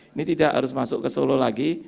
ini tidak harus masuk ke solo lagi